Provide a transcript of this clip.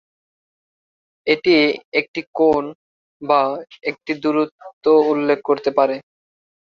এটি একটি কোণ বা একটি দূরত্ব উল্লেখ করতে পারে।